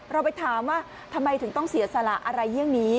เราไปถามว่าทำไมถึงต้องเสียสละอะไรเรื่องนี้